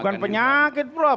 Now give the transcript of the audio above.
bukan penyakit prof